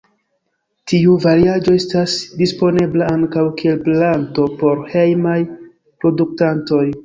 Tiu variaĵo estas disponebla ankaŭ kiel planto por hejmaj produktantoj.